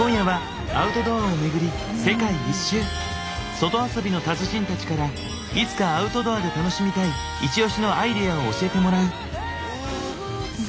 外遊びの達人たちからいつかアウトドアで楽しみたいイチオシのアイデアを教えてもらう。